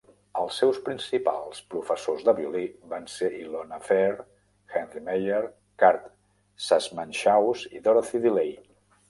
Els seus principals professors de violí van ser Ilona Feher, Henry Meyer, Kurt Sassmannshaus i Dorothy DeLay.